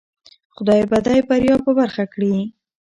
خدای به دی بریا په برخه کړی